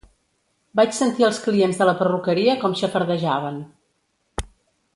Vaig sentir els clients de la perruqueria com xafardejaven.